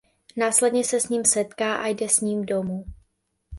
Následně se s ním setká a jde s ním domů.